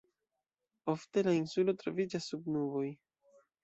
Ofte la insulo troviĝas sub nuboj.